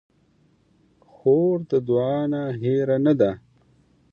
خور د دعا نه هېره نه ده.